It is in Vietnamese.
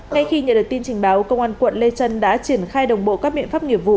ngay khi nhận được tin trình báo công an quận lê trân đã triển khai đồng bộ các biện pháp nghiệp vụ